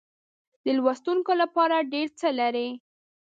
د لوستونکو لپاره ډېر څه لري.